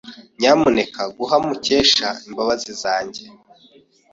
Nyamuneka guha Mukesha imbabazi zanjye.